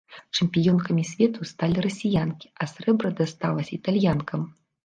Чэмпіёнкамі свету сталі расіянкі, а срэбра дасталася італьянкам.